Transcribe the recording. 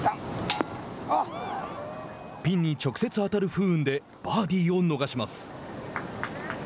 ピンに直接当たる不運でバーディーを逃します。